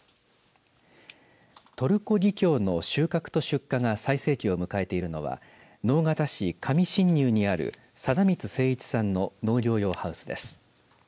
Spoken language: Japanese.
トルコギキョウの収穫と出荷が最盛期を迎えているのは直方市上新入にある貞光誠一さん農業用ハウスです。